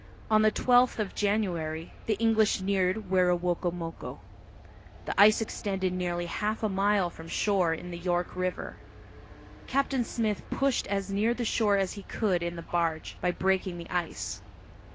On the twelfth of January the English neared Werowocomoco. The ice extended nearly half a mile from shore in the York River. Captain Smith pushed as near the shore as he could in the barge, by breaking the ice.